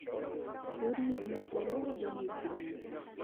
Ur iyi-d-mazal ara d amidi-nnek.